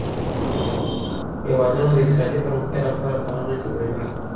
هیوادونه د اقتصادي پرمختیا لپاره پلانونه جوړوي.